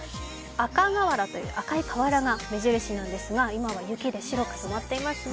赤瓦という赤い瓦が目印なんですが、今は雪で白く染まっていますね。